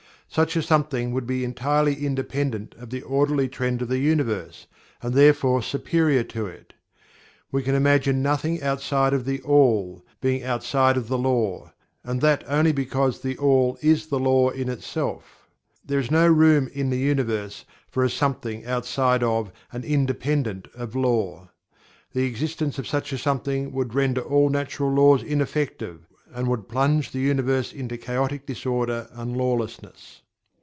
Such a something would be entirely independent of the orderly trend of the universe, and therefore superior to it. We can imagine nothing outside of THE ALL being outside of the Law, and that only because THE ALL is the LAW in itself. There is no room in the universe for a something outside of and independent of Law. The existence of such a Something would render all Natural Laws ineffective, and would plunge the universe into chaotic disorder and lawlessness.